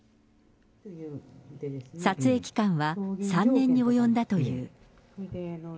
撮影期間は３年に及んだという。